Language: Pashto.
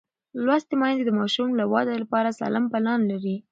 لوستې میندې د ماشوم د وده لپاره سالم پلان لري.